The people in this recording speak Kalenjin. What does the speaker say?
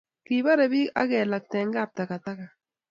kiborei biik akelakta eng' kaptakataka